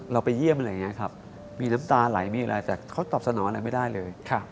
ไปเยี่ยมอะไรอย่างนี้ครับมีน้ำตาไหลมีอะไรแต่เขาตอบสนองอะไรไม่ได้เลย